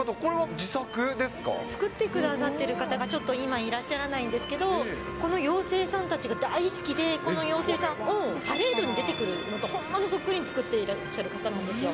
作ってくださってる方が、ちょっと今いらっしゃらないんですけど、この妖精さんたちが大好きで、この妖精さんを、パレードに出てくるのと本物そっくりに作っていらっしゃる方なんですよ。